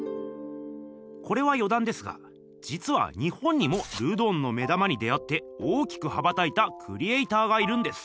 これはよだんですがじつは日本にもルドンの目玉に出会って大きく羽ばたいたクリエーターがいるんです。